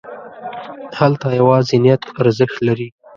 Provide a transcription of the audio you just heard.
هلته یوازې نیت ارزښت لري.